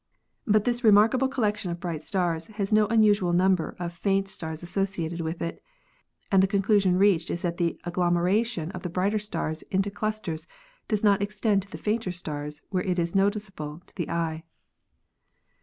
But this remarkable collection of bright stars has no unusual number of faint stars associated with it, and the conclusion reached is that the agglomeration of the brighter stars into clusters does not extend to the fainter stars where it is noticeable to the eye.